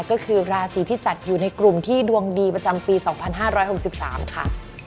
ก็คือราศีที่จัดอยู่ในกลุ่มที่ดวงดีประจำปี๒๕๖๓ค่ะ